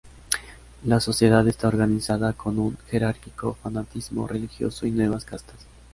La sociedad está organizada con un jerárquico fanatismo religioso y nuevas castas.